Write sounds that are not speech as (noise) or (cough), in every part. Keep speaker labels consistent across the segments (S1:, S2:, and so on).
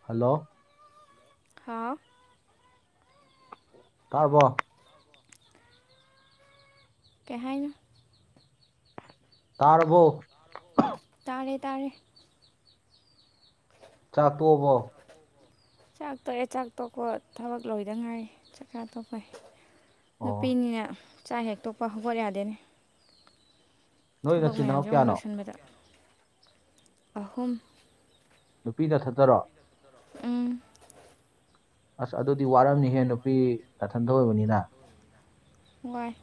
S1: hello
S2: ꯍꯥꯥꯎ
S1: ꯇꯥꯔꯕꯣ
S2: ꯀꯩ ꯍꯥꯏꯅꯣ
S1: ꯇꯥꯔꯕꯣ
S2: ꯇꯥꯔꯦ ꯇꯥꯔꯦ
S1: ꯆꯥꯛ ꯇꯣꯛꯑꯕꯣ
S2: ꯆꯥꯛ ꯇꯣꯛꯑꯦ ꯆꯥꯛ ꯇꯣꯛꯄ ꯊꯕꯛ ꯂꯣꯏꯗ ꯉꯥꯏꯔꯤ ꯆꯥꯛꯆꯥ ꯇꯣꯛꯄꯩ
S1: ꯑꯣ
S2: ꯅꯨꯄꯤꯅꯤꯅ ꯆꯥꯛ ꯍꯦꯛ ꯇꯣꯛꯄ ꯍꯧꯒꯠ ꯌꯥꯗꯦꯅꯦ
S1: ꯅꯣꯏ
S2: ꯊꯕꯛ
S1: ꯅꯆꯤꯟ ꯅꯅꯥꯎ
S2: ꯃꯌꯥꯝꯖꯦ ꯑꯃꯨꯛ
S1: ꯀꯌꯥꯅꯣ
S2: ꯂꯣꯏꯁꯟꯕꯗ ꯑꯍꯨꯝ
S1: ꯅꯨꯄꯤ ꯅꯊꯟꯇꯔꯣ
S2: ꯎꯝ
S1: ꯑꯁ ꯑꯗꯨꯗꯤ ꯋꯥꯔꯝꯅꯤꯍꯦ ꯅꯨꯄꯤ ꯅꯊꯟꯗ ꯑꯣꯏꯕꯅꯤꯅ
S2: ꯋꯥꯏ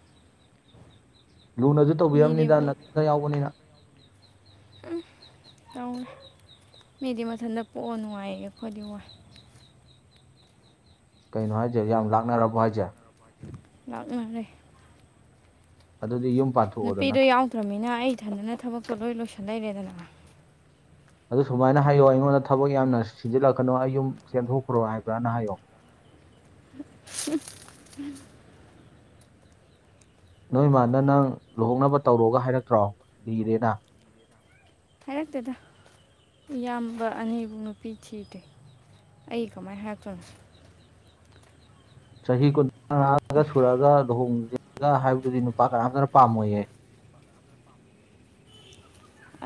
S1: ꯂꯨꯅꯖꯨ
S2: ꯃꯤꯗꯤ
S1: ꯇꯧꯕꯤꯔꯝꯅꯤꯗ ꯅꯊꯟꯇ ꯌꯥꯎꯕꯅꯤꯅ
S2: ꯎꯝ ꯇꯧꯔꯦ ꯃꯤꯗꯤ ꯃꯊꯟꯇ ꯄꯣꯛꯑ ꯅꯨꯡꯉꯥꯏꯌꯦꯌꯦ ꯑꯩꯈꯣꯏꯗꯤ ꯋꯥꯏ
S1: ꯀꯩꯅꯣ ꯍꯥꯏꯖꯦ ꯌꯥꯝ ꯂꯥꯛꯅꯔꯕꯣ ꯍꯥꯏꯖꯦ
S2: ꯂꯥꯛꯅꯔꯦ
S1: ꯑꯗꯨꯗꯤ ꯌꯨꯝ ꯄꯥꯟ
S2: ꯅꯨꯄꯤꯗꯣ ꯌꯥꯎꯗ꯭ꯔꯝꯃꯤꯅ ꯑꯩ ꯏꯊꯟꯗꯅ ꯊꯕꯛꯇꯣ ꯂꯣꯏ ꯂꯣꯏꯁꯤꯜ ꯂꯩꯔꯦꯗꯅ
S1: ꯑꯗꯨ ꯁꯨꯃꯥꯏꯅ ꯍꯥꯏꯌꯣ ꯑꯩꯉꯣꯟꯗ ꯊꯕꯛ ꯌꯥꯝꯅ ꯁꯤꯖꯤꯜꯂꯛꯀꯅꯣ ꯑꯩ ꯌꯨꯝ ꯆꯦꯟꯊꯣꯛꯈ꯭ꯔꯣ ꯍꯥꯏꯕ꯭ꯔꯥꯅ ꯍꯥꯏꯌꯣ ꯅꯣꯏ ꯃꯥꯅ ꯅꯪ ꯂꯨꯍꯣꯡꯅꯕ ꯇꯧꯔꯣꯒ ꯍꯥꯏꯔꯛꯇ꯭ꯔꯣ ꯂꯤꯔꯦꯅ
S2: ꯍꯥꯏꯔꯛꯇꯦꯗ ꯏꯌꯥꯝꯕ ꯑꯅꯤꯕꯨ ꯅꯨꯄꯤ ꯊꯤꯗ꯭ꯔꯤ ꯑꯩ ꯀꯃꯥꯏ ꯍꯥꯏꯔꯛꯇꯣꯏꯅꯣ
S1: ꯆꯍꯤ ꯀꯨꯟꯊ꯭ꯔꯥ ꯉꯥꯒ ꯁꯨꯔꯒ ꯂꯨꯍꯣꯡꯖꯦꯒ ꯍꯥꯏꯕꯗꯨꯗꯤ ꯅꯨꯄꯥ ꯀꯅꯥꯝꯇꯅ ꯄꯥꯝꯃꯣꯏꯌꯦ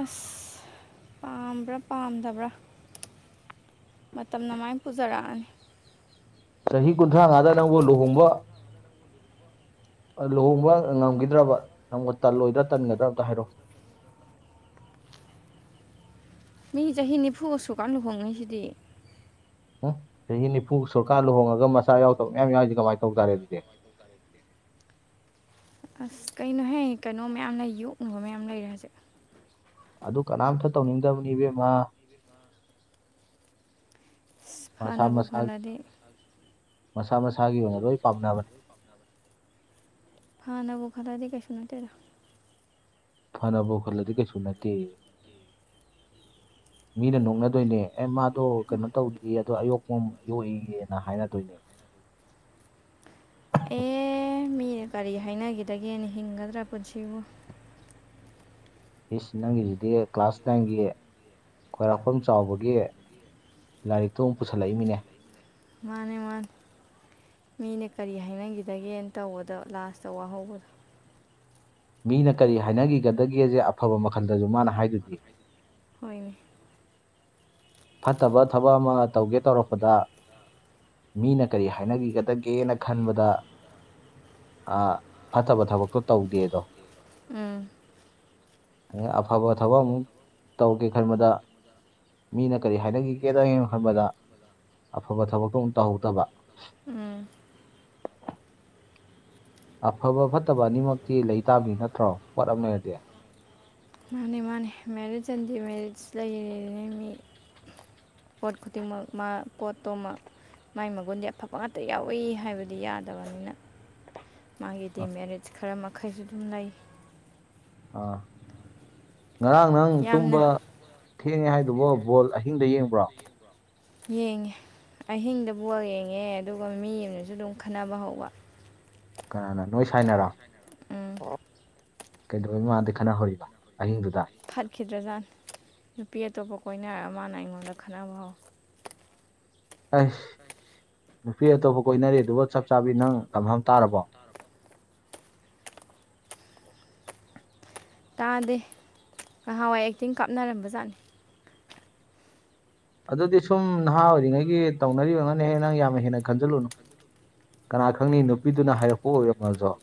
S2: ꯑꯁ ꯄꯥꯝꯕ꯭ꯔꯥ ꯄꯥꯝꯗꯕ꯭ꯔꯥ ꯃꯇꯝꯅ ꯃꯥꯏ ꯄꯨꯖꯔꯛꯑꯅꯤ
S1: ꯆꯍꯤ ꯈꯨꯨꯊ꯭ꯔꯥꯉꯥꯗ ꯅꯪꯕꯨ ꯂꯨꯍꯣꯡꯕ ꯑꯥ ꯂꯨꯍꯣꯡꯕ ꯉꯝꯒꯤꯗ꯭ꯔꯕ ꯅꯪꯕꯨ ꯇꯜꯂꯣꯏꯗ꯭ꯔꯥ ꯇꯟꯒꯗ꯭ꯔꯥ ꯑꯝꯇ ꯍꯥꯏꯔꯛꯑꯣ
S2: ꯃꯤ ꯆꯍꯤ ꯅꯤꯐꯨ ꯁꯨꯔꯀꯥꯟ ꯂꯨꯍꯣꯡꯅꯩꯖꯤꯗꯤ
S1: ꯍꯨꯝ ꯆꯍꯤ ꯅꯤꯐꯨ ꯁꯨꯔꯀꯥꯟ ꯂꯨꯍꯣꯡꯉꯒ ꯃꯆꯥ ꯌꯥꯎꯗꯕ ꯃꯌꯥꯝ ꯌꯥꯎꯏꯖꯤ ꯀꯃꯥꯏ ꯇꯧ ꯇꯥꯔꯦ ꯑꯗꯨꯗꯤ
S2: ꯑꯁ ꯀꯩꯅꯣꯍꯦ ꯀꯩꯅꯣ ꯃꯌꯥꯝ ꯂꯩ ꯌꯣꯛꯅꯕ ꯃꯌꯥꯝ ꯂꯩꯔꯦ ꯍꯧꯖꯤꯛ
S1: ꯑꯗꯨ ꯀꯅꯥꯝꯇ ꯇꯧꯅꯤꯡꯗꯕꯅꯤ ꯏꯕꯦꯝꯃꯥ
S2: ꯑꯁ
S1: ꯃꯁꯥ
S2: ꯐꯅꯕꯨ
S1: ꯃꯁꯥ
S2: ꯈꯜꯂꯗꯤ
S1: ꯃꯁꯥ ꯃꯁꯥꯒꯤ ꯑꯣꯏꯅ ꯂꯣꯏ ꯄꯥꯝꯅꯕꯅꯦ
S2: ꯐꯅꯕꯨ ꯈꯜꯂꯗꯤ ꯀꯩꯁꯨ ꯅꯠꯇꯦꯗ
S1: ꯐꯅꯕꯨ ꯈꯜꯂꯗꯤ ꯀꯩꯁꯨ ꯅꯠꯇꯦꯌꯦ
S2: (inaudible)
S1: ꯃꯤꯅ ꯅꯣꯛꯅꯗꯨꯏꯅꯦ ꯑꯦ ꯃꯥꯗꯣ ꯀꯩꯅꯣ ꯇꯧꯗꯤꯌꯦ ꯑꯗꯣ ꯑꯌꯣꯛꯄ ꯌꯣꯛꯏꯌꯦꯅ ꯍꯥꯏꯅꯗꯨꯏꯅꯦ
S2: ꯑꯦ (unintelligible) ꯀꯔꯤ ꯍꯥꯏꯅꯒꯤꯗꯒꯦꯅ ꯍꯤꯡꯒꯗ꯭ꯔꯥ ꯄꯨꯟꯁꯤꯕꯨ
S1: ꯏꯁ ꯅꯪꯒꯤꯖꯤꯗꯤ ꯀ꯭ꯂꯥꯁ ꯅꯥꯏꯟꯒꯤ ꯈꯣꯏꯔꯥꯛꯐꯝ ꯆꯥꯎꯕꯒꯤ ꯂꯥꯏꯔꯤꯛꯇꯣ ꯃꯨꯛ ꯄꯨꯁꯜꯂꯛꯏꯃꯤꯅꯦ
S2: ꯃꯥꯅꯦ ꯃꯥꯅꯦ ꯃꯤꯅ ꯀꯔꯤ ꯍꯥꯏꯅꯒꯤꯗꯒꯦꯅ ꯇꯧꯕꯗꯣ ꯂꯥꯁꯇꯥ ꯋꯥꯍꯧꯕꯗꯣ
S1: ꯃꯤꯅ ꯀꯔꯤ ꯍꯥꯏꯅꯒꯤꯒꯗꯒꯦꯖꯦ ꯑꯐꯕ ꯃꯈꯜꯗꯖꯨ ꯃꯥꯅ ꯍꯥꯏꯗꯨꯗꯤ
S2: ꯍꯣꯏꯅꯦ
S1: ꯐꯠꯇꯕ ꯊꯕꯛ ꯑꯃ ꯇꯧꯒꯦ ꯇꯧꯔꯛꯄꯗ ꯃꯤꯅ ꯀꯔꯤ ꯍꯥꯏꯅꯒꯤꯒꯥꯗꯛ ꯒꯦꯅ ꯈꯟꯕꯗ ꯑꯥ ꯐꯠꯇꯕ ꯊꯕꯛꯇꯣ ꯇꯧꯗꯦꯗꯣ
S2: ꯎꯝ
S1: ꯑꯗꯩ ꯑꯐꯕ ꯊꯕꯛ ꯑꯃꯨꯛ ꯇꯧꯒꯦ ꯈꯟꯕꯗ ꯃꯤꯅ ꯀꯔꯤ ꯍꯥꯏꯅꯈꯤꯒꯦꯡ ꯈꯟꯕꯗ ꯑꯐꯕ ꯊꯕꯛꯇꯣ ꯑꯃꯨꯛ ꯇꯧꯍꯧꯗꯕ
S2: ꯎꯝ
S1: ꯑꯐꯕ ꯐꯠꯇꯕ ꯑꯅꯤꯃꯛꯇꯤ ꯂꯩꯇꯥꯕꯅꯤ ꯅꯠꯇ꯭ꯔꯣ ꯄꯣꯠ ꯑꯃ ꯂꯩꯔꯗꯤ
S2: ꯃꯥꯅꯦ ꯃꯥꯅꯦ ꯃꯦꯔꯤꯠ ꯑꯦꯟ ꯗꯤ ꯃꯦꯔꯤꯖ ꯂꯩꯔꯤꯅꯦ ꯃꯤ ꯄꯣꯠ ꯈꯨꯗꯤꯡꯃꯛ ꯃꯥ ꯄꯣꯠ ꯇꯣ ꯃꯛ ꯃꯥꯏ ꯃꯒꯨꯟꯗꯤ ꯑꯐꯕ ꯉꯥꯛꯇꯥ ꯌꯥꯎꯏ ꯍꯥꯏꯕꯗꯤ ꯌꯥꯗꯕꯅꯤꯅ ꯃꯥꯒꯤ ꯗꯤꯃꯦꯔꯤꯠ ꯈꯔ ꯃꯈꯩꯁꯨ ꯑꯗꯨꯝ ꯂꯩ
S1: ꯑꯥ ꯉꯔꯥꯡ ꯅꯪ
S2: ꯌꯥꯝꯅ
S1: ꯇꯨꯝꯕ ꯊꯦꯡꯉꯦ ꯍꯥꯏꯗꯨꯕꯣ ꯕꯣꯜ ꯑꯩ ꯑꯍꯤꯡꯗꯥ ꯌꯦꯡꯕ꯭ꯔꯣ
S2: ꯌꯦꯡꯉꯦ ꯑꯍꯤꯡꯗꯥ ꯕꯣꯜ ꯌꯦꯡꯉꯦ ꯑꯗꯨꯒ ꯃꯤ ꯑꯃꯅꯖꯨ ꯑꯗꯨꯝ ꯈꯠꯅꯕ ꯍꯧꯕ
S1: ꯀꯅꯥꯅ ꯅꯣꯏ ꯁꯥꯏꯅꯔꯣ
S2: ꯎꯝ
S1: (inaudible) ꯀꯩꯗꯧꯕꯩ ꯃꯥꯗꯤ ꯈꯠꯅꯍꯧꯔꯤꯕ ꯑꯍꯤꯡꯗꯨꯗ
S2: ꯐꯠꯈꯤꯗ꯭ꯔꯖꯥꯠꯅꯤ ꯅꯨꯄꯤ ꯑꯇꯣꯞꯄ ꯀꯣꯏꯅꯔ ꯃꯥꯅ ꯑꯩꯉꯣꯟꯗ ꯈꯠꯅꯕ ꯍꯧꯋꯦ
S1: ꯑꯩꯁ ꯅꯨꯄꯤ ꯑꯇꯣꯞꯄ ꯀꯣꯏꯅꯔꯦ ꯑꯗꯨꯕꯨ ꯆꯞ ꯆꯥꯕꯤ ꯅꯪ ꯀꯟꯐꯥꯝ ꯇꯥꯔꯕꯣ
S2: ꯇꯥꯗꯦ ꯉꯍꯥꯟꯋꯥꯏ ꯑꯦꯛꯇꯤꯡ ꯀꯥꯞꯅꯔꯝꯕꯖꯥꯠꯅꯤ
S1: ꯑꯗꯨꯗꯤ ꯁꯨꯝ ꯅꯍꯥ ꯑꯣꯏꯔꯤꯉꯩꯒꯤ ꯇꯧꯅꯔꯤꯕ ꯑꯣꯏꯔꯝꯉꯥꯅꯦꯍꯦ ꯅꯪ ꯌꯥꯝꯅ ꯍꯦꯟꯅ ꯈꯟꯖꯤꯜꯂꯨꯅꯨ ꯀꯅꯥ ꯈꯪꯅꯤ ꯅꯨꯄꯤꯗꯨꯅ ꯍꯥꯏꯔꯛꯄ ꯑꯣꯏꯔꯝꯃꯖꯨ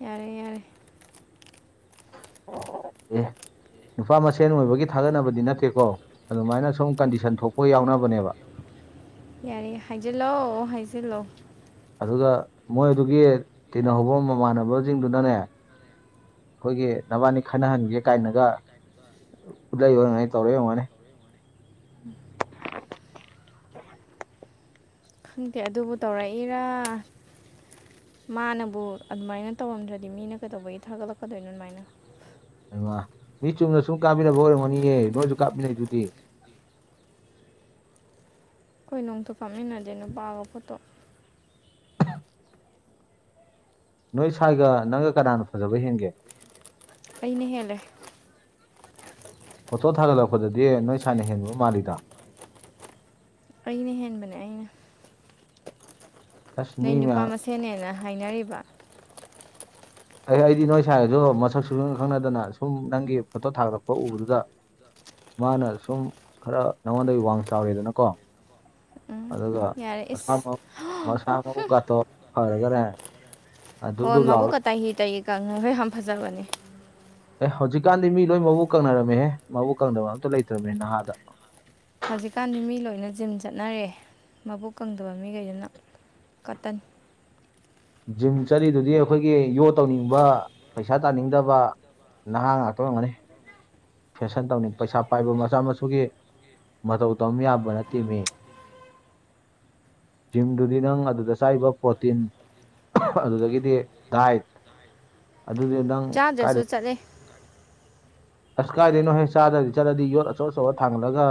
S2: ꯌꯥꯔꯦ ꯌꯥꯔꯦ
S1: ꯑꯦ ꯅꯨꯄꯥ ꯃꯁꯦꯟ ꯑꯣꯏꯕꯒꯤ ꯊꯥꯒꯠꯅꯕꯗꯤ ꯅꯠꯇꯦꯀꯣ ꯑꯗꯨꯃꯥꯏꯅ ꯁꯨꯝ ꯀꯟꯗꯤꯁꯟ ꯊꯣꯛꯄ ꯌꯥꯎꯅꯕꯅꯦꯕ
S2: ꯌꯥꯔꯦ ꯍꯥꯏꯖꯤꯜꯂꯣ ꯍꯥꯏꯖꯤꯜꯂꯣ
S1: ꯑꯗꯨꯒ ꯃꯣꯏꯗꯨꯒꯤ ꯇꯤꯟꯅꯍꯧꯕ ꯃꯃꯥꯟꯅꯕꯖꯤꯡꯗꯨꯅꯅꯦ ꯑꯈꯣꯏꯒꯤ ꯅꯕꯥꯅꯤ ꯈꯠꯅꯍꯟꯒꯦ ꯀꯥꯏꯅꯒꯥ ꯎꯠꯂꯛꯏ ꯑꯣꯏꯔꯡꯒꯥꯅꯤ ꯇꯧꯔꯛꯏ ꯑꯣꯏꯔꯝꯒꯥꯅꯤ
S2: ꯈꯪꯗꯦ ꯑꯗꯨꯕꯨ ꯇꯧꯔꯛꯏꯔꯥ ꯃꯥꯅꯕꯨ ꯑꯗꯨꯃꯥꯏꯅ ꯇꯧꯔꯝꯗ꯭ꯔꯥꯗꯤ ꯃꯤꯅ ꯀꯩꯗꯧꯕꯒꯤ ꯊꯥꯒꯠꯂꯛꯀꯥꯗꯣꯏꯅꯣ ꯑꯗꯨꯃꯥꯏꯅ
S1: ꯍꯥꯏꯃꯥ ꯃꯤ ꯆꯨꯝꯅ ꯁꯨꯝ ꯀꯥꯞꯃꯤꯟꯅꯕ ꯑꯣꯏꯔꯝꯒꯥꯅꯤꯌꯦ ꯅꯣꯏꯁꯨ ꯀꯥꯞꯃꯤꯟꯅꯩꯗꯨꯗꯤ
S2: ꯑꯈꯣꯏ ꯅꯣꯡꯇꯥ ꯀꯥꯞꯃꯤꯟꯅꯗꯦ ꯅꯨꯄꯥꯒꯥ ꯐꯣꯇꯣ
S1: ꯅꯣꯏ ꯁꯥꯏꯒꯥ ꯅꯪꯒꯥ ꯀꯅꯥꯅ ꯐꯖꯕ ꯍꯦꯟꯒꯦ
S2: ꯑꯩꯩꯅ ꯍꯦꯜꯂꯦ
S1: ꯐꯣꯇꯣ ꯊꯥꯒꯠꯂꯛꯄꯗꯥꯗꯤ ꯅꯣꯏ ꯁꯥꯏꯅ ꯍꯦꯟꯕ ꯃꯥꯜꯂꯤꯗ
S2: ꯑꯩꯅ ꯍꯦꯟꯕꯅꯦ ꯑꯩꯅ
S1: ꯑꯁ
S2: ꯅꯣꯏ
S1: ꯃꯤ
S2: ꯅꯨꯄꯥ
S1: ꯃꯌꯥꯝ
S2: ꯃꯁꯦꯟꯅꯦꯅ ꯍꯥꯏꯅꯔꯤꯕ
S1: ꯑꯩ ꯑꯩꯗꯤ ꯅꯣꯏ ꯁꯥꯏꯒꯖꯨ ꯃꯁꯛ ꯁꯨꯛ ꯈꯪ ꯈꯪꯅꯗꯅ ꯁꯨꯝ ꯅꯪꯒꯤ ꯐꯣꯇꯣ ꯊꯥꯒꯠꯂꯛꯄ ꯎꯕꯗꯨꯗ ꯃꯥꯅ ꯁꯨꯝ ꯈꯔ ꯅꯉꯣꯟꯗꯒꯤ ꯈꯔ ꯋꯥꯡ ꯆꯥꯎꯔꯦꯗꯅꯀꯣ
S2: ꯎꯝ
S1: ꯑꯗꯨꯒ
S2: ꯌꯥꯔꯦ
S1: ꯃꯁꯥ
S2: ꯏꯁ
S1: ꯃꯁꯥ ꯃꯎ ꯒꯇꯣ ꯐꯔꯒꯅꯦ ꯗꯨꯞ
S2: ꯍꯣꯏ
S1: ꯗꯨꯞ ꯂꯥꯎꯔ
S2: ꯃꯕꯨꯛꯀ ꯇꯥꯍꯤ ꯇꯥꯍꯤ ꯀꯪꯉꯒ ꯌꯥꯝ ꯐꯖꯕꯅꯦ
S1: ꯑꯦ ꯍꯧꯖꯤꯛꯀꯥꯟꯗꯤ ꯃꯤ ꯂꯣꯏ ꯃꯕꯨꯛ ꯀꯪꯅꯔꯝꯃꯤꯍꯦ ꯃꯕꯨꯛ ꯀꯪꯗꯅꯕ ꯑꯝꯇ ꯂꯩꯇ꯭ꯔꯕꯅꯦ ꯅꯍꯥꯗ
S2: ꯍꯧꯖꯤꯛꯀꯥꯟꯗꯤ ꯃꯤ ꯂꯣꯏꯅ ꯖꯤꯝ ꯆꯠꯅꯔꯦ ꯃꯕꯨꯛ ꯀꯪꯗꯕ ꯃꯤꯈꯩꯗꯨꯅ ꯀꯇꯟ
S1: ꯖꯤꯝ ꯆꯠꯂꯤꯗꯨꯗꯤ ꯑꯩꯈꯣꯏꯒꯤ ꯌꯣ ꯇꯧꯅꯤꯡꯕ ꯄꯩꯁꯥ ꯇꯥꯅꯤꯡꯗꯕ ꯅꯍꯥ ꯉꯥꯛꯇ ꯑꯣꯏꯔꯝꯒꯅꯤ ꯐꯦꯁꯟ ꯇꯧꯅꯤꯡ ꯄꯩꯁꯥ ꯄꯥꯏꯕ ꯃꯆꯥ ꯃꯁꯨꯒꯤ ꯃꯇꯧ ꯇꯝ ꯌꯥꯄꯣꯠ ꯅꯠꯇꯦ ꯃꯤ ꯖꯤꯝꯗꯨꯗꯤ ꯅꯪ ꯑꯗꯨꯗ ꯆꯥꯔꯤꯕ ꯄ꯭ꯔꯣꯇꯤꯟ ꯑꯗꯨꯗꯒꯤꯗꯤ ꯗꯥꯏꯠ ꯑꯗꯨꯗꯤ ꯅꯪ ꯀꯥꯏꯗꯩ
S2: ꯆꯥꯗ꯭ꯔꯁꯨ ꯆꯠꯂꯦ
S1: ꯑꯁ ꯀꯥꯏꯗꯩꯅꯣꯍꯦ ꯆꯥꯗ꯭ꯔꯗꯤ ꯆꯠꯂꯗꯤ ꯌꯣꯠ ꯑꯆꯧ ꯑꯆꯧꯕ ꯊꯥꯡꯒꯠꯂꯒ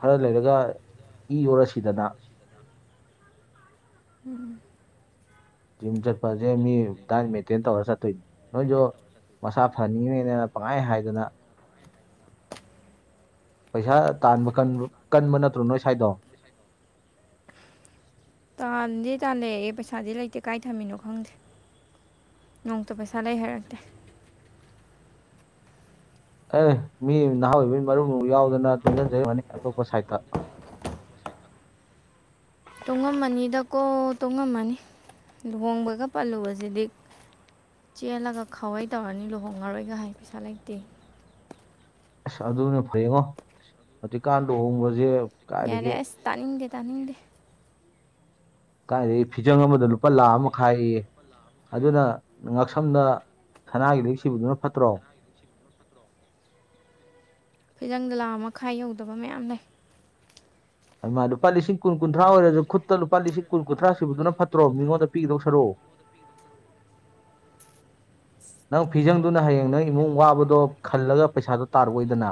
S1: ꯈꯔ ꯂꯩꯔꯒ ꯏ ꯑꯣꯗꯅ ꯁꯤꯗꯅ
S2: ꯍꯝ
S1: ꯖꯤꯝ ꯆꯠꯄꯁꯦ ꯃꯤ ꯗꯥꯥꯏꯠ ꯃꯦꯟꯇꯦꯟ ꯇꯧꯔꯒ ꯆꯠꯇꯣꯏꯅꯦ ꯅꯣꯏꯖꯨ ꯃꯁꯥ ꯐꯅꯤꯡꯉꯤꯅꯦꯅ ꯄꯪꯍꯥꯏ ꯍꯥꯏꯗꯅ ꯄꯩꯁꯥ ꯇꯥꯟꯕ ꯀꯟ ꯀꯟꯕ ꯅꯠꯇ꯭ꯔꯣ ꯅꯣꯏ ꯁꯥꯏꯗꯣ
S2: ꯇꯥꯟꯗꯤ ꯇꯥꯜꯅꯩꯌꯦ ꯄꯩꯁꯥꯗꯤ ꯂꯩꯇꯦ ꯀꯥꯏ ꯊꯝꯃꯤꯅꯣ ꯈꯪꯗꯦ ꯅꯣꯡꯃꯇ ꯄꯩꯁꯥ ꯂꯩ ꯍꯥꯏꯔꯛꯇꯦ
S1: ꯑꯦ ꯃꯤ ꯅꯍꯥ ꯑꯣꯏꯕꯒꯤ ꯃꯔꯨꯞ ꯒꯨꯝꯕ ꯌꯥꯎꯗꯅ ꯇꯨꯡꯁꯤꯟꯖꯩ ꯑꯣꯏꯔꯝꯅꯤ ꯑꯇꯣꯞꯄ ꯁꯥꯏꯠꯇ
S2: ꯇꯨꯡꯉꯝꯃꯅꯤꯗꯀꯣ ꯇꯨꯡꯉꯝꯃꯅꯤ ꯂꯨꯍꯣꯡꯕꯒ ꯄꯜꯂꯨꯕꯁꯤꯗꯤ ꯆꯦꯜꯂꯒ ꯈꯥꯎꯋꯩ ꯇꯧꯔꯅꯤ ꯂꯨꯍꯣꯡꯉꯔꯣꯏꯒ ꯍꯥꯏ ꯄꯩꯁꯥ ꯂꯩꯇꯦ
S1: ꯑꯁ ꯑꯗꯨꯅ ꯐꯌꯦꯡꯉꯣ ꯍꯧꯖꯤꯛꯀꯥꯟ ꯂꯨꯍꯣꯡꯕꯁꯦ
S2: ꯌꯥꯔꯦ
S1: ꯀꯥꯏꯗꯒꯤ
S2: ꯑꯁ ꯇꯥꯅꯤꯡꯗꯦ ꯇꯥꯅꯤꯡꯗꯦ
S1: ꯀꯥꯏꯗꯩ ꯐꯤꯖꯪ ꯑꯃꯗ ꯂꯨꯄꯥ ꯂꯥꯛ ꯑꯃ ꯃꯈꯥꯏ ꯑꯌꯦ ꯑꯗꯨꯅ ꯉꯛꯁꯝꯗ ꯁꯅꯥꯒꯤ ꯂꯤꯛ ꯁꯤꯕꯗꯨꯅ ꯐꯠꯇ꯭ꯔꯣ
S2: ꯐꯤꯖꯪꯗ ꯂꯥꯛ ꯑꯃ ꯃꯈꯥꯏ ꯌꯧꯗꯕ ꯃꯌꯥꯝ ꯂꯩ
S1: ꯍꯩꯃꯥ ꯂꯨꯄꯥ ꯂꯤꯁꯤꯡ ꯀꯨꯟ ꯀꯨꯟꯊ꯭ꯔꯥ ꯑꯣꯏꯔꯁꯨ ꯈꯨꯠꯇ ꯂꯨꯄꯥ ꯂꯤꯁꯤꯡ ꯀꯨꯟ ꯀꯨꯟꯊ꯭ꯔꯥ ꯁꯨꯕꯗꯨꯅ ꯐꯠꯇ꯭ꯔꯣ ꯃꯤꯉꯣꯟꯗ ꯄꯤꯒꯤꯗꯧ ꯁꯔꯨꯛ
S2: (inaudible)
S1: ꯅꯪ ꯐꯤꯖꯪꯗꯨꯅ ꯍꯌꯦꯡ ꯅꯪ ꯏꯃꯨꯡ ꯋꯥꯕꯗꯣ ꯈꯜꯂꯒ ꯄꯩꯁꯥꯗꯣ ꯇꯥꯔꯛꯑꯣꯏꯗꯅ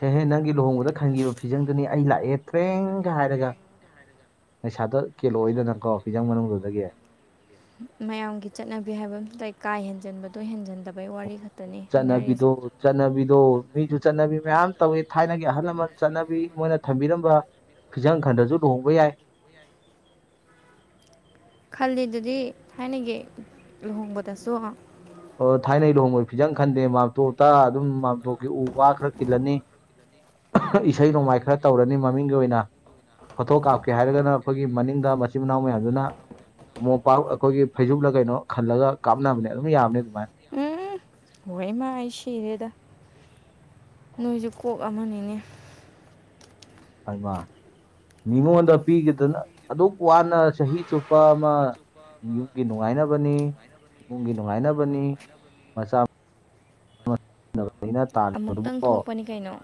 S1: ꯁꯦꯍꯦ ꯅꯪꯒꯤ ꯂꯨꯍꯣꯡꯕꯗ ꯈꯟꯈꯤꯕ ꯐꯤꯖꯪꯗꯨꯅꯤ ꯑꯩ ꯂꯥꯛꯑꯦ ꯇ꯭ꯔꯦꯡꯒ ꯍꯥꯏꯔꯒ ꯄꯩꯁꯥꯗꯨ ꯀꯦꯜꯂꯛꯑꯣꯏꯗꯅ ꯀꯣ ꯐꯤꯖꯪ ꯃꯅꯨꯡꯗꯨꯗꯒꯤ
S2: ꯃꯌꯥꯝꯒꯤ ꯆꯠꯅꯕꯤ ꯍꯥꯏꯕ ꯑꯃꯁꯨ ꯂꯩ ꯀꯥ ꯍꯦꯟꯖꯟꯕꯗꯣ ꯍꯦꯟꯖꯟꯗꯕꯩ ꯋꯥꯔꯤ ꯈꯛꯇꯅꯤ ꯍꯥꯏꯅꯔꯤꯁꯦ
S1: ꯆꯠꯅꯕꯤꯗꯣ ꯆꯠꯅꯕꯤꯗꯣ ꯃꯤꯁꯨ ꯆꯠꯅꯕꯤ ꯃꯌꯥꯝ ꯇꯧꯋꯤ ꯊꯥꯏꯅꯒꯤ ꯑꯍꯜ ꯂꯃꯟ ꯆꯠꯅꯕꯤ ꯃꯣꯏꯅ ꯊꯝꯕꯤꯔꯝꯕ ꯐꯤꯖꯪ ꯈꯟꯗꯔꯁꯨ ꯂꯨꯍꯣꯡꯕ ꯌꯥꯏ
S2: ꯈꯜꯂꯤꯗꯨꯗꯤ ꯊꯥꯏꯅꯒꯤ ꯂꯨꯍꯣꯡꯕꯗꯁꯨ
S1: ꯑꯣ ꯊꯥꯏꯅꯩ ꯂꯨꯍꯣꯡꯕꯗ ꯐꯤꯖꯪ ꯈꯟꯗꯦ ꯃꯥꯝꯇꯣꯞꯇ ꯑꯗꯨꯝ ꯃꯥꯝꯇꯣꯞꯀꯤ ꯎ ꯋꯥ ꯈꯔ ꯈꯤꯜꯂꯅꯤ ꯏꯁꯩ ꯅꯣꯡꯃꯥꯏ ꯈꯔ ꯇꯧꯔꯅꯤ ꯃꯃꯤꯡꯒꯤ ꯑꯣꯏꯅ ꯐꯣꯇꯣ ꯀꯥꯞꯀꯦ ꯍꯥꯏꯔꯒꯅ ꯑꯈꯣꯏꯒꯤ ꯃꯅꯤꯡꯗ ꯃꯆꯤꯟ ꯃꯅꯥꯎ ꯃꯌꯥꯝꯗꯨꯅ ꯃꯣꯝꯄꯥꯛ ꯑꯈꯣꯏꯒꯤ ꯐꯩꯖꯨꯞꯂ ꯀꯩꯅꯣ ꯈꯜꯂꯒ ꯀꯥꯞꯅꯕꯅꯦ ꯑꯗꯨꯝ ꯌꯥꯕꯅꯦ ꯑꯗꯨꯃꯥꯏꯅ
S2: ꯎꯝ ꯍꯣꯏ ꯃꯥ ꯑꯩ ꯁꯤꯔꯦꯗ ꯅꯣꯏꯁꯨ ꯀꯣꯛ ꯑꯃꯅꯤꯅꯦ
S1: ꯍꯩꯃꯥ ꯃꯤꯉꯣꯟꯗ ꯄꯤꯈꯤꯗꯨꯅ ꯑꯗꯨꯛ ꯋꯥꯅ ꯆꯍꯤ ꯆꯨꯞꯄ ꯑꯃ ꯌꯨꯝꯒꯤ ꯅꯨꯡꯉꯥꯏꯅꯕꯅꯤ ꯏꯃꯨꯡꯒꯤ ꯅꯨꯡꯉꯥꯏꯅꯕꯅꯤ ꯃꯆꯥ (unintelligible) ꯍꯩꯃꯥ
S2: ꯑꯃꯨꯛꯇꯪ ꯊꯣꯛꯄꯅꯤ ꯀꯩꯅꯣ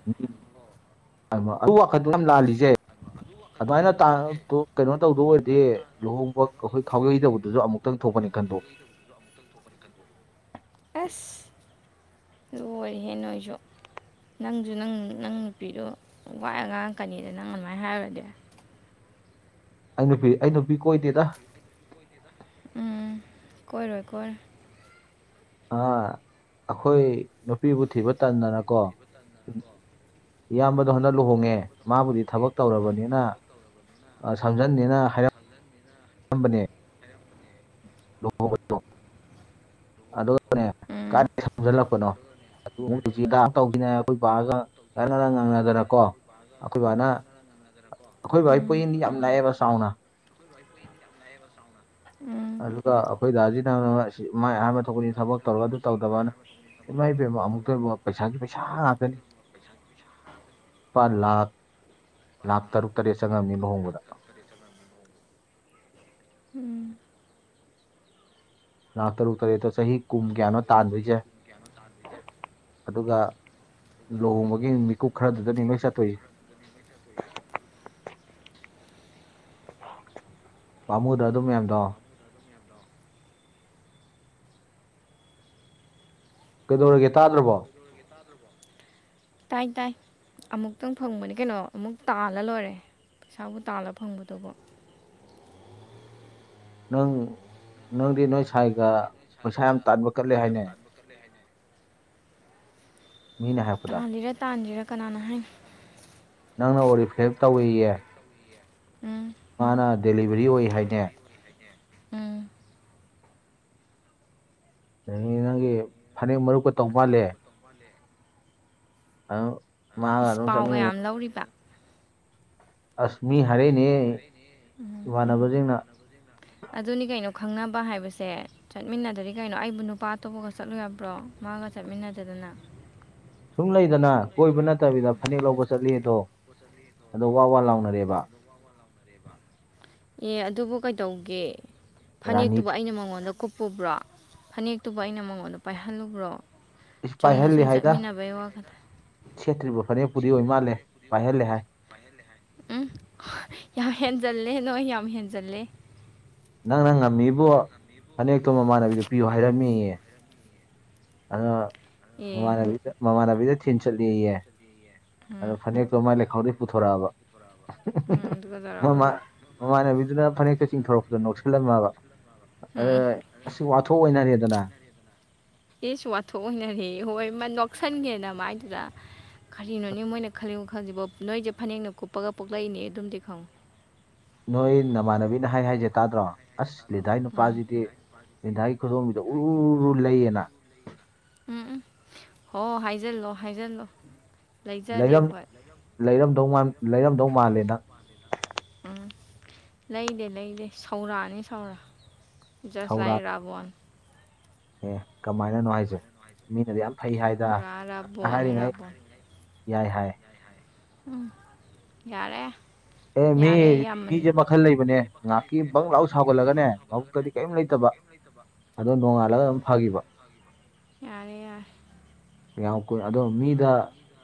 S1: ꯑꯗꯨ ꯋꯥꯈꯜꯗꯨ ꯌꯥꯝ ꯂꯥꯜꯂꯤꯁꯦ ꯑꯗꯨꯃꯥꯏꯅ ꯇꯥꯡ ꯀꯩꯅꯣ ꯇꯧꯗꯧ ꯑꯣꯏꯔꯗꯤ ꯂꯨꯍꯣꯡꯕ ꯑꯈꯣꯏ ꯈꯥꯎꯌꯩ ꯇꯧꯕꯗꯨꯁꯨ ꯑꯃꯨꯛꯇꯪ ꯊꯣꯛꯄꯅꯤ ꯈꯟꯗꯣꯛꯎ
S2: ꯑꯁ ꯑꯣꯏꯔꯦꯍꯦ ꯅꯣꯏꯁꯨ ꯅꯪꯁꯨ ꯅꯪ ꯅꯪ ꯅꯨꯄꯤꯗꯨꯣ ꯋꯥ ꯌꯥꯝ ꯉꯥꯡꯉꯛꯀꯅꯤꯗ ꯅꯪ ꯑꯗꯨꯃꯥꯏꯅ ꯍꯥꯏꯔꯨꯔꯗꯤ
S1: ꯑꯩ ꯅꯨꯄꯤ ꯑꯩ ꯅꯨꯄꯤ ꯀꯣꯏꯗꯦꯗ
S2: ꯎꯝ ꯀꯣꯏꯔꯣꯏ ꯀꯣꯏꯔꯣꯏ
S1: ꯑꯥ ꯑꯈꯣꯏ ꯅꯨꯄꯤꯕꯨ ꯊꯤꯕ ꯇꯟꯗꯅꯀꯣ ꯏꯌꯥꯝꯕꯗꯣ ꯍꯟꯗꯛ ꯂꯨꯍꯣꯡꯉꯦ ꯃꯥꯕꯨꯗꯤ ꯊꯕꯛ ꯇꯧꯔꯕꯅꯤꯅ ꯁꯝꯖꯟꯅꯤꯅ ꯍꯥꯏꯔꯛ ꯑꯝꯕꯅꯦ ꯂꯨꯍꯣꯡꯕꯗꯣ ꯑꯗꯨꯒꯅꯦ
S2: ꯎꯝ
S1: ꯀꯥꯏꯗꯩ ꯁꯝꯖꯜꯂꯛꯄꯅꯣ ꯑꯗꯨꯁꯨ (unintelligible) ꯑꯈꯣꯏ ꯕꯥꯒꯥ ꯉꯔꯡ ꯉꯔꯡ ꯉꯪꯅꯗꯅꯀꯣ ꯑꯈꯣꯏ ꯕꯥꯅ ꯑꯈꯣꯏ ꯕꯥꯒꯤ
S2: ꯎꯝ
S1: ꯄꯣꯌꯦꯡꯗꯤ ꯌꯥꯝ ꯂꯥꯛꯑꯦꯕ ꯆꯥꯎꯅ
S2: ꯎꯝ
S1: ꯑꯗꯨꯒ ꯑꯩꯈꯣꯏ ꯗꯥꯖꯤꯅ ꯑꯁꯤ ꯃꯥꯏ ꯑꯍꯥꯟꯕ ꯊꯣꯛꯄꯅꯤ ꯊꯕꯛ ꯇꯧꯔꯒ ꯑꯗꯨ ꯇꯧꯗꯕꯅ ꯏꯃꯥꯏꯄꯦꯝꯃꯥ ꯑꯃꯨꯛꯇꯣꯏꯕ ꯄꯩꯁꯥꯒꯤ ꯄꯩꯁꯥ ꯉꯥꯛꯇꯅꯤ ꯂꯨꯄꯥ ꯂꯥꯛ ꯂꯥꯛ ꯇꯔꯨꯛ ꯇꯔꯦꯠ ꯆꯪꯉꯝꯅꯤ ꯂꯨꯍꯣꯡꯕꯗ
S2: ꯎꯝ
S1: ꯂꯥꯛ ꯇꯔꯨꯛ ꯇꯔꯨꯦꯠꯇꯣ ꯆꯍꯤ ꯀꯨꯝ ꯀꯌꯥꯅꯣ ꯇꯥꯟꯗꯣꯏꯖꯦ ꯑꯗꯨꯒ ꯂꯨꯍꯣꯡꯕꯒꯤ ꯃꯤꯀꯨꯞ ꯈꯔꯗꯨꯗꯅꯤ ꯅꯣꯏ ꯆꯠꯇꯣꯏꯖꯦ ꯄꯥꯝꯃꯨꯗ꯭ꯔ ꯑꯗꯨ ꯃꯌꯥꯝꯗꯣ ꯀꯩꯗꯧꯔꯒꯦ ꯇꯥꯗ꯭ꯔꯕꯣ
S2: (inaudible) ꯇꯥꯏ ꯇꯥꯏ ꯑꯃꯨꯛꯇꯪ ꯐꯪꯕꯅꯦ ꯀꯩꯅꯣ ꯑꯃꯨꯛ ꯇꯥꯜꯂ ꯂꯣꯏꯔꯦ ꯄꯩꯁꯥꯕꯨ ꯇꯥꯜꯂ ꯐꯪꯒꯗꯕ
S1: ꯅꯪ ꯅꯪꯗꯤ ꯅꯣꯏ ꯁꯥꯏꯒ ꯄꯩꯁꯥ ꯌꯥꯝ ꯇꯥꯟꯕ ꯀꯟꯂꯦ ꯍꯥꯏꯅꯦ ꯃꯤꯅ ꯍꯥꯏꯞ
S2: ꯇꯥꯜꯂꯤꯔ ꯇꯥꯟꯗ꯭ꯔꯤꯔꯥ ꯀꯅꯥꯅ ꯍꯥꯏꯅꯣ
S1: ꯅꯪꯅ ꯑꯣꯔꯤꯐ꯭ꯂꯦꯞ ꯇꯧꯋꯦꯌꯦ
S2: ꯎꯝ
S1: ꯃꯥꯅ ꯗꯦꯂꯤꯚꯔꯤ ꯑꯣꯏ ꯍꯥꯏꯅꯦ
S2: ꯎꯝ
S1: ꯑꯗꯒꯤ ꯅꯪꯒꯤ ꯐꯅꯦꯛ ꯃꯔꯨꯞꯀ ꯇꯧ ꯃꯥꯜꯂꯦ (unintelligible)
S2: ꯏꯁ
S1: ꯑꯗꯨꯝ
S2: ꯄꯥꯎꯒ ꯌꯥꯝ
S1: ꯆꯠꯃꯤꯟꯅꯗꯅ
S2: ꯂꯧꯔꯤꯕ
S1: ꯑꯁ ꯃꯤ ꯍꯥꯏꯔꯛꯏꯅꯦꯍꯦ
S2: ꯎꯝ
S1: ꯏꯃꯥꯟꯅꯕꯖꯤꯡꯅ
S2: ꯑꯗꯨꯅꯤ ꯀꯩꯅꯣ ꯈꯪꯅꯕ ꯍꯥꯏꯕꯁꯦ ꯆꯠꯃꯤꯟꯅꯗ꯭ꯔꯥꯗꯤ ꯀꯩꯅꯣ ꯑꯩꯕꯨ ꯅꯨꯄꯥ ꯑꯇꯣꯞꯄꯒ ꯆꯠꯂꯨ ꯌꯥꯕ꯭ꯔꯣ ꯃꯥꯒ ꯆꯠꯃꯤꯟꯅꯗꯗꯅ
S1: ꯁꯨꯡ ꯂꯩꯗꯅ ꯀꯣꯏꯕ ꯅꯠꯇꯕꯤꯗ ꯐꯅꯦꯛ ꯂꯧꯕ ꯆꯠꯂꯤ ꯑꯗꯣ ꯑꯗꯣ ꯋꯥ ꯋꯥ ꯂꯥꯎꯅꯔꯦꯕ
S2: ꯑꯦ ꯑꯗꯨꯕꯨ ꯀꯩꯗꯧꯒꯦ
S1: ꯔꯥꯅꯤ
S2: ꯐꯅꯦꯛꯇꯨꯕꯨ ꯑꯩꯅ ꯃꯉꯣꯟꯗ ꯀꯨꯞꯄꯨꯕ꯭ꯔꯣ ꯐꯅꯦꯛꯇꯨꯕꯨ ꯑꯩꯅ ꯃꯉꯣꯟꯗ ꯄꯥꯏꯍꯜꯂꯨꯕ꯭ꯔꯣ
S1: ꯏꯁ
S2: ꯆꯨꯝꯅ
S1: ꯄꯥꯏꯍꯜꯂꯦ
S2: ꯁꯨꯝ
S1: ꯍꯥꯏꯗ
S2: ꯆꯠꯃꯤꯟꯅꯕꯩ ꯋꯥꯈꯜꯗ
S1: ꯁꯦꯠꯇ꯭ꯔꯤꯕ ꯐꯅꯦꯛꯄꯨꯗꯤ ꯑꯣꯏ ꯃꯥꯜꯂꯦ ꯄꯥꯏꯍꯜꯂꯦ ꯍꯥꯏ
S2: ꯎꯝ ꯌꯥꯝ ꯍꯦꯟꯖꯜꯂꯦ ꯅꯣꯏ ꯌꯥꯝ ꯍꯦꯟꯖꯜꯂꯦ
S1: ꯅꯪꯅ ꯉꯝꯃꯤꯕꯣ ꯐꯅꯦꯛꯇꯣ ꯃꯃꯥꯟꯅꯕꯤꯗ ꯄꯤꯌꯨ ꯍꯥꯏꯔꯝꯃꯦꯌꯦ ꯑꯗꯣ
S2: ꯑꯦ
S1: ꯃꯃꯥꯟꯅꯕꯤꯗ ꯃꯃꯥꯟꯅꯕꯤꯗ ꯊꯤꯟ ꯆꯠꯂꯦꯌꯦ
S2: ꯎꯝ
S1: ꯑꯗꯣ ꯐꯅꯦꯛꯇꯣ ꯃꯥꯏ ꯂꯩꯈꯥꯎꯗꯩ ꯄꯨꯊꯣꯔꯛꯑꯕ
S2: ꯎꯝ ꯑꯗꯨꯒ ꯇꯧꯔꯕ
S1: ꯃꯃꯥ ꯃꯃꯥꯟꯅꯕꯤꯗꯨꯅ ꯐꯅꯦꯛꯇꯨ ꯆꯤꯡꯊꯣꯔꯛꯄꯗꯨ ꯅꯣꯛꯁꯜꯂꯝꯃꯕ
S2: ꯎꯝ
S1: ꯑꯗꯨꯅ ꯑꯁ ꯋꯥꯊꯣꯛ ꯑꯣꯏꯅꯔꯦꯗꯅ
S2: ꯏꯁ ꯋꯥꯊꯣꯛ ꯑꯣꯏꯅꯔꯦꯌꯦ ꯍꯣꯏꯃꯥ ꯅꯣꯛꯁꯟꯒꯦ ꯅꯃꯥꯏꯗꯨꯗ ꯀꯔꯤꯅꯣꯅꯦ ꯃꯣꯏꯅ ꯈꯜꯂꯤ ꯋꯥꯈꯟꯖꯤꯕꯣ ꯅꯣꯏꯖꯦ ꯐꯅꯦꯛꯅ ꯀꯨꯞꯄꯒ ꯄꯣꯛꯂꯛꯏꯅꯦ ꯑꯗꯨꯃꯥꯗꯤ ꯈꯪꯉꯨ
S1: ꯅꯣꯏ ꯅꯃꯥꯟꯅꯕꯤꯅ ꯍꯥꯏ ꯍꯥꯏꯖꯦ ꯇꯥꯗ꯭ꯔꯣ ꯑꯁ ꯂꯤꯟꯗꯥꯥꯏ
S2: ꯎꯝ
S1: ꯅꯨꯄꯥꯖꯤꯗꯤ ꯂꯤꯟꯗꯥꯏ ꯈꯨꯗꯣꯝꯕꯤꯗ ꯎꯔꯔꯨꯔꯨ ꯂꯩꯌꯦꯅ
S2: ꯎꯝ ꯎꯝ ꯍꯣ ꯍꯥꯏꯖꯜꯂꯣ ꯍꯥꯏꯖꯜꯂꯣ ꯂꯩꯖꯗꯦ
S1: ꯂꯩꯔꯝ
S2: ꯑꯩꯈꯣꯏ
S1: ꯂꯩꯔꯝꯗꯧ ꯃꯥꯟ ꯂꯩꯔꯝꯗꯧ ꯃꯥꯜꯂꯦ ꯅꯪ
S2: ꯎꯝ ꯂꯩꯗꯦ ꯂꯩꯗꯦ ꯁꯧꯔꯥꯅꯤ ꯁꯧꯔꯥ ꯖꯁ
S1: ꯁꯧꯔꯥ
S2: ꯂꯥꯏꯠ ꯔꯥꯕꯣꯟ
S1: ꯑꯦ ꯀꯃꯥꯏꯅꯅꯣ ꯍꯥꯏꯖꯦ ꯃꯤꯅꯗꯤ ꯌꯥꯝ ꯐꯩ ꯍꯥꯏꯗ
S2: ꯄꯨꯔꯥ ꯔꯥꯕꯣꯟꯅꯦ
S1: ꯍꯥꯏꯔꯤꯉꯩ
S2: ꯔꯥꯕꯣꯟ
S1: ꯌꯥꯏ ꯍꯥꯏ
S2: ꯎꯝ ꯌꯥꯔꯦ
S1: ꯑꯦ ꯃꯤ
S2: ꯌꯥꯔꯦ ꯌꯥꯝꯃꯟ
S1: ꯃꯤꯖꯦ ꯃꯈꯜ ꯂꯩꯕꯅꯦ ꯉꯥꯛꯀꯤ ꯕꯪ ꯂꯥꯎ ꯁꯥꯎꯒꯠꯂꯒꯅꯦ ꯃꯕꯨꯛꯇꯗꯤ ꯀꯩꯝ ꯂꯩꯇꯕ ꯑꯗꯣ ꯅꯣꯡꯉꯥꯜꯂꯒ ꯑꯗꯨꯝ ꯐꯥꯒꯤꯕ
S2: ꯌꯥꯔꯦ ꯌꯥꯔꯦ
S1: ꯌꯥꯝ ꯀꯨꯏꯅꯥ ꯑꯗꯣ ꯃꯤꯗ